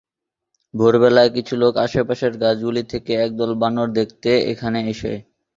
ভোরবেলায় কিছু লোক আশেপাশের গাছগুলি থেকে একদল বানর দেখতে এখানে আসে।